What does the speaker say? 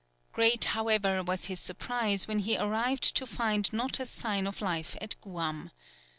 _] Great, however, was his surprise when he arrived to find not a sign of life at Guam.